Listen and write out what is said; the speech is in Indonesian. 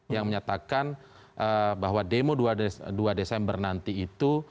yang menyatakan bahwa demo dua desember nanti itu